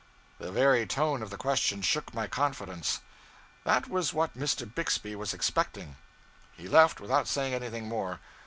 The very tone of the question shook my confidence. That was what Mr. Bixby was expecting. He left, without saying anything more.